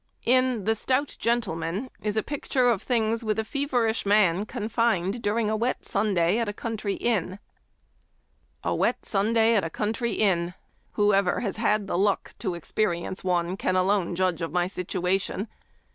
In the "Stout Gentleman" is a picture of Memoir of Washington Irving. 117 things with a feverish man confined during a wet Sunday at a country inn :" A wet Sunday in a country inn ! Who ever has had the luck to experience one can alone judge of my situation.